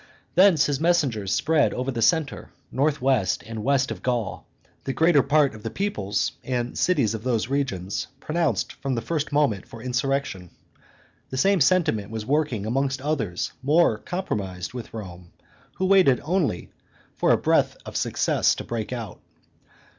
Thence his messengers spread over the centre, north west, and west of Gaul; the greater part of the peoplets and cities of those regions pronounced from the first moment for insurrection; the same sentiment was working amongst others more compromised with Rome, who waited only for a breath of success to break out.